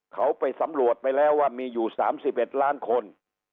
เขาไปสำรวจไปแล้วว่ามีอยู่๓๑ล้านคน